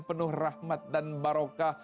penuh rahmat dan baroka